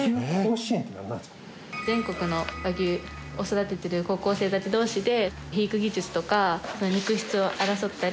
全国の和牛を育ててる高校生たち同士で肥育技術とか肉質を争ったり。